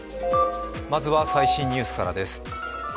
まずは最新ニュースからです。